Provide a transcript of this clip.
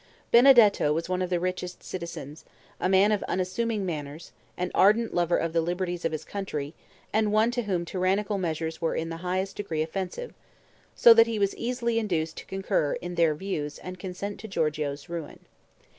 Benedetto was one of the richest citizens, a man of unassuming manners, an ardent lover of the liberties of his country, and one to whom tyrannical measures were in the highest degree offensive; so that he was easily induced to concur in their views and consent to Giorgio's ruin.